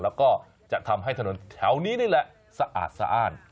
แล้วก็จะทำให้ถนนแถวนี้นี่แหละสะอาดสะอ้าน